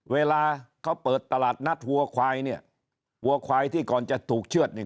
เวลาเขาเปิดตลาดนัดวัวควายเนี่ยวัวควายที่ก่อนจะถูกเชื่อดเนี่ย